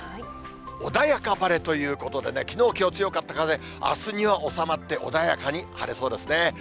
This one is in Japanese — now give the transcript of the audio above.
おだやか晴れということでね、きのう、きょう、強かった風、あすには収まって、穏やかに晴れそうですね。